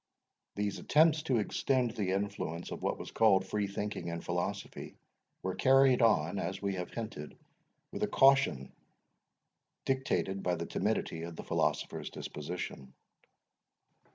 These attempts to extend the influence of what was called freethinking and philosophy, were carried on, as we have hinted, with a caution dictated by the timidity of the philosopher's disposition.